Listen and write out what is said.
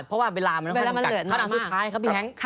เพราะว่าเวลามันเกิดขนาดสุดท้ายครับพี่แฮงค์